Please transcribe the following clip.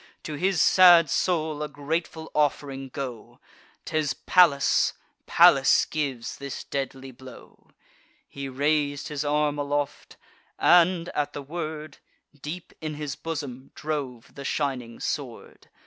To his sad soul a grateful off'ring go! 'Tis Pallas, Pallas gives this deadly blow." He rais'd his arm aloft, and, at the word, Deep in his bosom drove the shining sword.